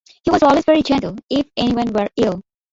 He was always very gentle if anyone were ill.